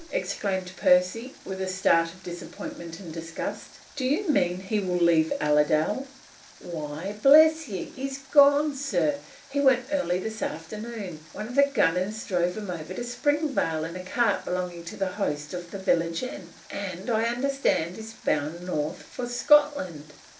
exclaimed Percy, with a start of disappointment and disgust. "Do you mean, he will leave Allerdale?" "Why, bless ye! he's gone, sir. He went early this afternoon. One of the gunners drove him over to Springvale in a cart belonging to the host of the village inn; and I understand he was bound north for Scotland.